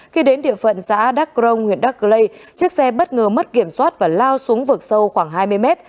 khi đến địa phận xã đắc grong huyện đắc lây chiếc xe bất ngờ mất kiểm soát và lao xuống vực sâu khoảng hai mươi mét